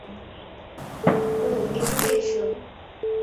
অও, এদিকে এসো।